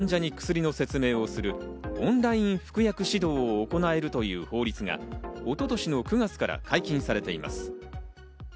オンラインや電話を使って患者に薬の説明をするオンライン服薬指導を行えるという法律が一昨年の９月から解禁されています。